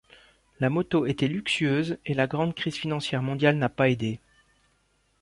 La moto était luxueuse, et la grande crise financière mondiale n'a pas aidé.